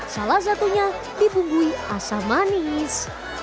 salah satunya dibumbui asam manis